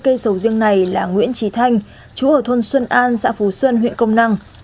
ba mươi cây sầu riêng này là nguyễn trí thanh chú ở thôn xuân an xã phú xuân huyện công năm